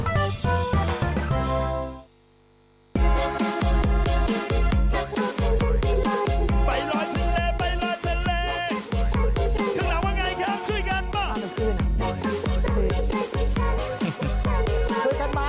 สวัสดีครับ